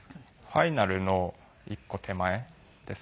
ファイナルの一個手前ですね。